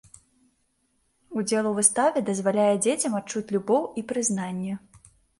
Удзел у выставе дазваляе дзецям адчуць любоў і прызнанне.